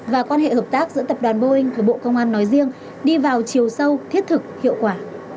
và quan hệ hợp tác giữa tập đoàn boeing của bộ công an nói riêng đi vào chiều sâu thiết thực hiệu quả